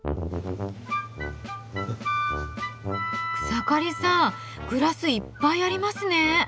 草刈さんグラスいっぱいありますね。